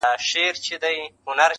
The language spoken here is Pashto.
په يوه گړي كي جوړه هنگامه سوه٫